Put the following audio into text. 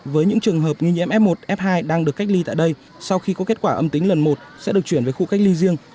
với những trường hợp nghi nhiễm f một f hai đang được cách ly tại đây sau khi có kết quả âm tính lần một sẽ được chuyển về khu cách ly riêng